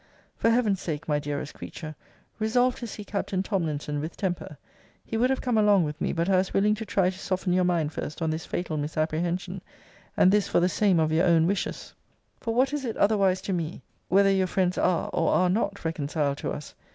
For heaven's sake, my dearest creature, resolve to see Captain Tomlinson with temper. He would have come along with me, but I was willing to try to soften your mind first on this fatal misapprehension, and this for the same of your own wishes. For what is it otherwise to me, whether your friends are, or are not, reconciled to us?